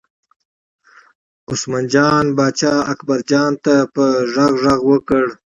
عثمان جان پاچا اکبرجان ته په غږ غږ وکړ.